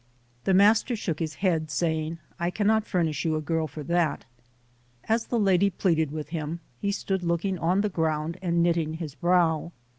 The master shook his head, saying, "I can not furnish you a girl for that". As the lady pleaded with him, he stood looking on the ground and knitting his brow.